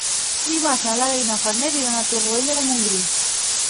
Dimarts na Lara i na Farners iran a Torroella de Montgrí.